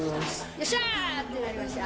よっしゃー！ってなりました。